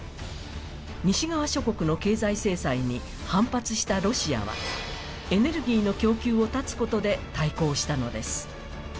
西側諸国の経済制裁に反発したロシアは、エネルギーの供給を断つことで対抗したのです。